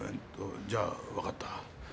じゃあわかった。